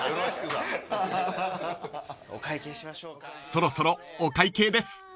［そろそろお会計です］